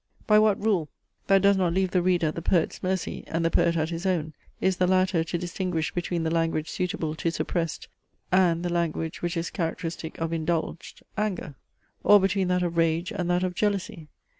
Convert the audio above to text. By what rule that does not leave the reader at the poet's mercy, and the poet at his own, is the latter to distinguish between the language suitable to suppressed, and the language, which is characteristic of indulged, anger? Or between that of rage and that of jealousy?